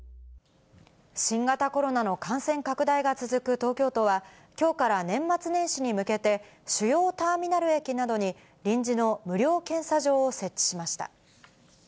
東京都は、きょうから年末年始に向けて、主要ターミナル駅などに、臨時の無料検査場を設置しました。